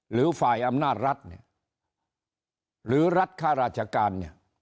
หรือฝ่ายอำนาจรัฐเนี่ยหรือรัฐค่าราชการเนี่ย